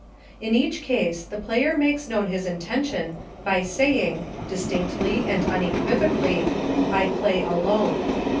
In each case the player makes known his intention by saying, distinctly and unequivocally, "I Play Alone."